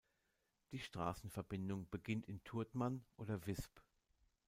Die Strassenverbindung beginnt in Turtmann oder Visp.